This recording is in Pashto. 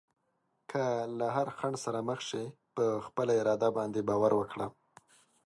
که له هر خنډ سره مخ شې، په خپل اراده باندې باور وکړه.